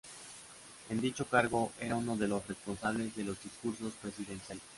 En dicho cargo era uno de los responsables de los discursos presidenciales.